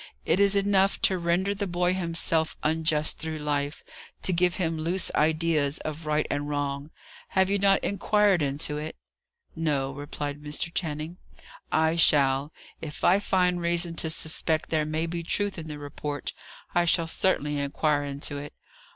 It is enough to render the boy himself unjust through life; to give him loose ideas of right and wrong. Have you not inquired into it?" "No," replied Mr. Channing. "I shall. If I find reason to suspect there may be truth in the report, I shall certainly inquire into it.